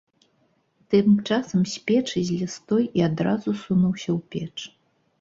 Тым часам з печы злез той і адразу сунуўся ў печ.